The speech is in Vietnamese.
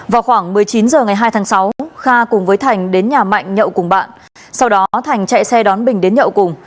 vào khoảng một mươi chín h ngày hai tháng sáu kha cùng với thành đến nhà mạnh nhậu cùng bạn sau đó thành chạy xe đón bình đến nhậu cùng